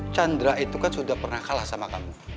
chandra itu kan sudah pernah kalah sama kamu